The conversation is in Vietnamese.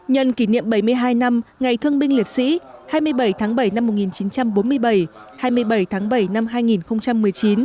nhân kỷ niệm bảy mươi hai năm ngày thương binh liệt sĩ hai mươi bảy tháng bảy năm một nghìn chín trăm bốn mươi bảy hai mươi bảy tháng bảy năm hai nghìn một mươi chín